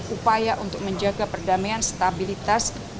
upaya untuk menjaga perdamaian stabilitas